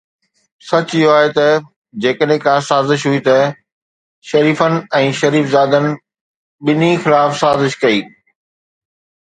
سچ اهو آهي ته جيڪڏهن ڪا سازش هئي ته شريفن ۽ شريفزادن پنهنجي خلاف سازش ڪئي.